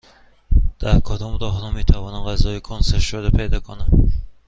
در کدام راهرو می توانم غذای کنسرو شده پیدا کنم؟